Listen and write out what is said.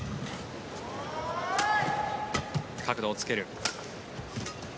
角度をつける。